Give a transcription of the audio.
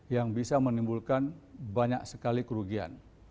yang bisa menimbulkan banyak sekali kerugian